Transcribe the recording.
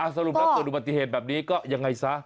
สรุปแล้วเกิดอุบัติเหตุแบบนี้ก็ยังไงซะ